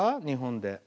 日本で。